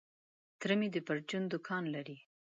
تره مي د پرچون دوکان لري .